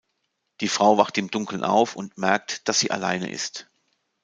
Die Frau wacht im Dunkeln auf und merkt, dass sie alleine ist.